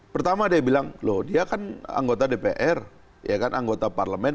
pertama dia bilang loh dia kan anggota dpr ya kan anggota parlemen